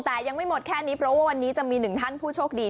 แต่ยังไม่หมดแค่นี้เพราะว่าวันนี้จะมีหนึ่งท่านผู้โชคดี